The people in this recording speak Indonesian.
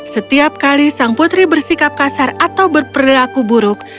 setiap kali sang putri bersikap kasar atau berperilaku buruk